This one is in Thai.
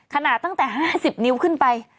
ขนาดตั้งแต่๕๐นิ้วขึ้นไป